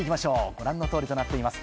ご覧の通りとなっています。